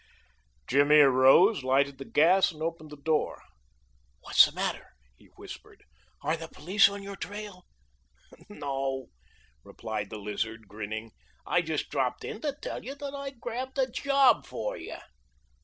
Jimmy arose, lighted the gas, and opened the door. "What's the matter?" he whispered. "Are the police on your trail?" "No," replied the Lizard, grinning. "I just dropped in to tell you that I grabbed a job for you."